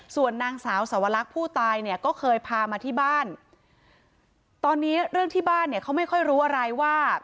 ส่วนนางสาวสวรรคผู้ตายเนี่ยก็เคยพามาที่บ้านตอนนี้เรื่องที่บ้านเนี่ยเขาไม่ค่อยรู้อะไรว่า